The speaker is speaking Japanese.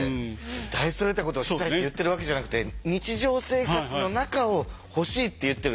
大それたことをしたいって言ってるわけじゃなくて日常生活の中を欲しいって言ってる。